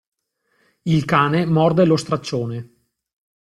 Il cane morde lo straccione.